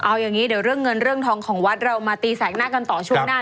เอาอย่างนี้เดี๋ยวเรื่องเงินเรื่องทองของวัดเรามาตีแสกหน้ากันต่อช่วงหน้า